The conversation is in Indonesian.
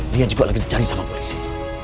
dia juga lagi dicari sama polisi